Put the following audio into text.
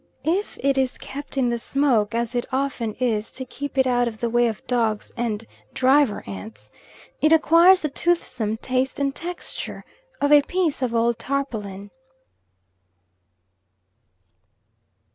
If it is kept in the smoke, as it often is to keep it out of the way of dogs and driver ants, it acquires the toothsome taste and texture of a piece of old tarpaulin.